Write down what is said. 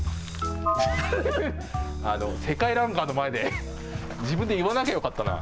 世界ランカーの前で自分で言わなきゃよかったな。